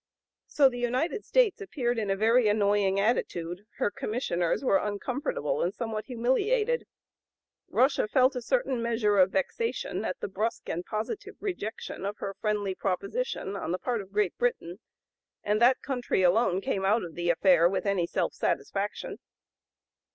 So the United States appeared in a very annoying attitude, her Commissioners were uncomfortable and somewhat humiliated; Russia felt a certain measure of vexation at the brusque and positive rejection of her friendly proposition on the part of Great Britain; and that country alone came out of the affair with any self satisfaction.